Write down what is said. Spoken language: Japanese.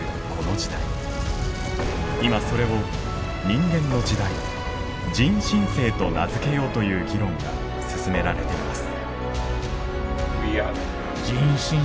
今それを人間の時代人新世と名付けようという議論が進められています。